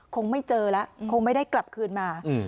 คงไม่เจอแล้วคงไม่ได้กลับคืนมา